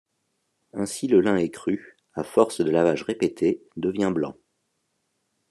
Ainsi le lin écru, à force de lavages répétés, devient blanc.